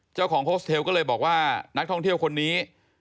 โฮสเทลก็เลยบอกว่านักท่องเที่ยวคนนี้